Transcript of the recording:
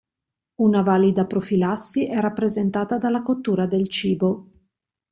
Una valida profilassi è rappresentata dalla cottura del cibo.